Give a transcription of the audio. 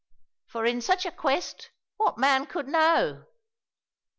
For in such a quest, what man could know?"